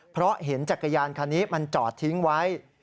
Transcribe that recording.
เพราะเห็นจักรยานคันนี้มันจอดทิ้งไว้